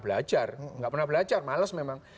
belajar nggak pernah belajar males memang